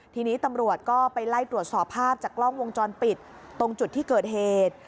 ทีนี้ตำรวจก็ไปไล่ตรวจสอบภาพจากกล้องวงจรปิดตรงจุดที่เกิดเหตุ